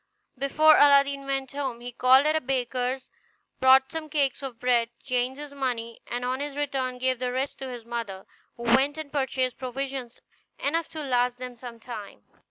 Before Aladdin went home he called at a baker's, bought some cakes of bread, changed his money, and on his return gave the rest to his mother, who went and purchased provisions enough to last them some time.